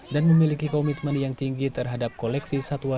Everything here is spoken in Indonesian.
dan memiliki komitmen yang tinggi terhadap koleksi satwa